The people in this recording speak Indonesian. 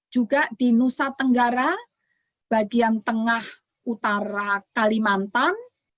juga di nusa tenggara bagian tengah utara kalimantan